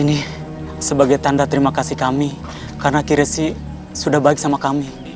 ini sebagai tanda terima kasih kami karena kirasi sudah baik sama kami